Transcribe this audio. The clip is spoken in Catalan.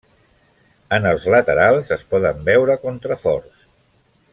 En els laterals es poden veure contraforts.